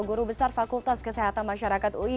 guru besar fakultas kesehatan masyarakat ui